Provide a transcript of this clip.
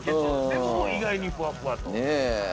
でも意外にふわふわと。